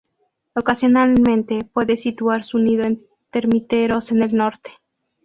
Ocasionalmente puede situar su nido en termiteros en el norte.